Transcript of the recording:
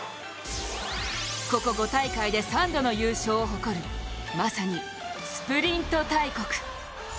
ここ５大会で３度の優勝を誇る、まさにスプリント大国。